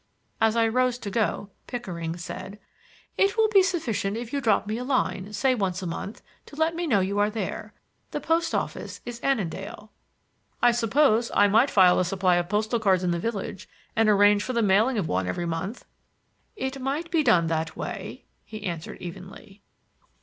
As I rose to go Pickering said: "It will be sufficient if you drop me a line, say once a month, to let me know you are there. The post office is Annandale." "I suppose I might file a supply of postal cards in the village and arrange for the mailing of one every month." "It might be done that way," be answered evenly.